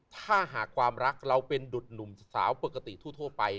ถ้าหากความรักเราเป็นดุดหนุ่มสาวปกติทั่วไป